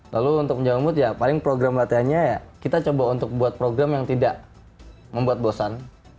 lalu untuk menjaga mood ya paling program latihannya ya kita coba untuk buat program yang tidak membuat bosan